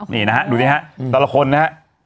นี่นะฮะดูสิฮะแต่ละคนนะฮะ